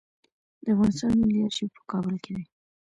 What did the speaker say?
د افغانستان ملي آرشیف په کابل کې دی